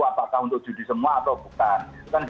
apakah untuk judi semua atau bukan